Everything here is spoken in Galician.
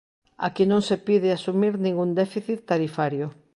Aquí non se pide asumir ningún déficit tarifario.